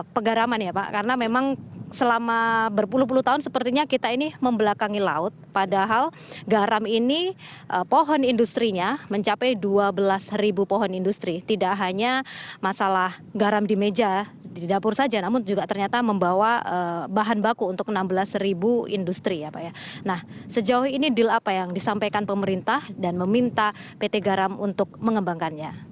pemerintah dalam hal ini sejauh ini deal apa yang disampaikan pemerintah dan meminta pt garam untuk mengembangkannya